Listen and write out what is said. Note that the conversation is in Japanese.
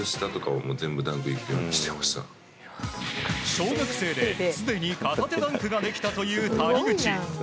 小学生で、すでに片手ダンクができたという谷口。